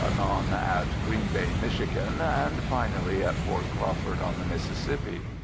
anon at Green Bay, Mich., and finally at Fort Crawford, on the Mississippi.